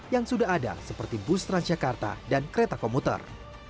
yang sudah ada seperti bus transjakarta dan kereta komuter